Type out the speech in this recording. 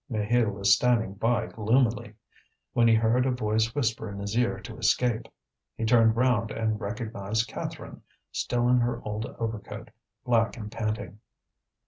Maheu was standing by gloomily, when he heard a voice whisper in his ear to escape. He turned round and recognized Catherine, still in her old overcoat, black and panting.